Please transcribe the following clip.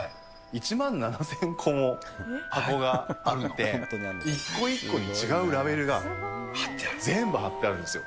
１万７０００個も箱があるって、一個一個違うラベルが貼ってある、全部貼ってあるんですよ。